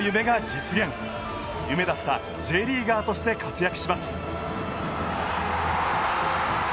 夢だったＪリーガーとして活躍します。